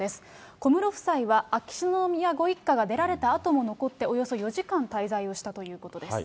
小室夫妻は秋篠宮ご一家が出られたあとも残って、およそ４時間滞在をしたということです。